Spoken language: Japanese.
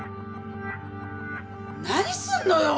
何すんのよ！